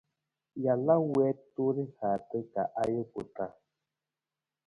Jalaa wiitu rihaata ka ajuku taa.